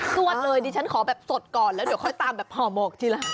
วดเลยดิฉันขอแบบสดก่อนแล้วเดี๋ยวค่อยตามแบบห่อหมกทีละ